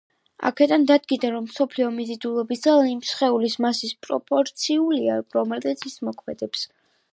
აქედან დადგინდა რომ მსოფლიო მიზიდულობის ძალა იმ სხეულის მასის პროპორციულია რომელზეც ის მოქმედებს.